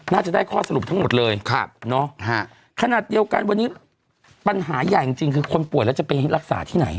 น่าจะได้ข้อสรุปทั้งหมดเลยขนาดเดียวกันวันนี้ปัญหาใหญ่จริงคือคนป่วยแล้วจะไปรักษาที่ไหน